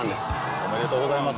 おめでとうございます。